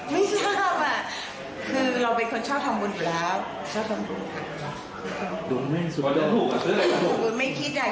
ไม่จำอ่ะคือเราเป็นคนชอบทำบุญผิดาบ